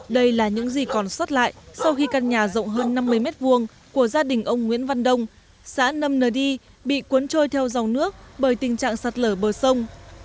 đây là những gì còn sót lại sau khi căn nhà rộng hơn năm mươi m hai của gia đình ông nguyễn văn đông xã nâm nờ đi bị cuốn trôi theo dòng nước bởi tình trạng sạt lở bờ sông